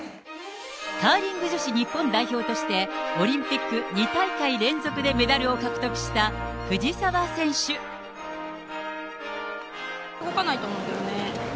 カーリング女子日本代表としてオリンピック２大会連続でメダ動かないと思うんだよね。